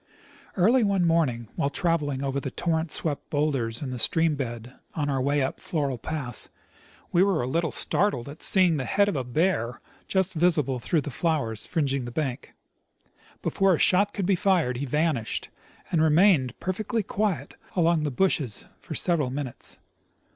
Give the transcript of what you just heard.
Early one morning, while traveling over the torrent swept bowlders in the stream bed on our way up Floral pass, we were a little startled at seeing the head of a bear just visible through the flowers fringing the bank. Before a shot could be fired, he vanished, and remained jDerfectly quiet among the bushes for several minutes.